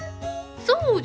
そう！